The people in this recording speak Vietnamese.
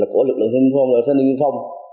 của lực lượng thanh niên xuân phong